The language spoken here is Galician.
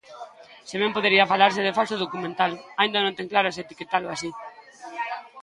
Se ben podería falarse de falso documental, aínda non ten claro se etiquetalo así.